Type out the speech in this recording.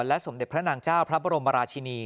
สมเด็จพระนางเจ้าพระบรมราชินี